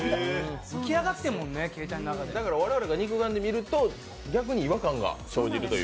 だから我々が肉眼で見ると逆に違和感が生じるという。